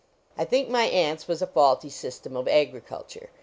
I think my aunt's was a faulty system of agriculture.